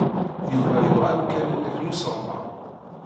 Yuba yebɣa amkan-nnek n usseɣmer.